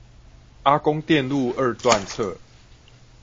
阿公店路二段側